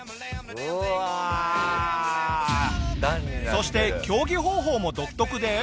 そして競技方法も独特で。